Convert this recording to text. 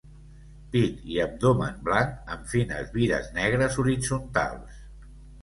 Pit i abdomen blanc amb fines vires negres horitzontals.